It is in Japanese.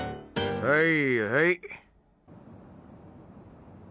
はいはい。